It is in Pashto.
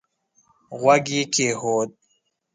غوږ يې کېښود.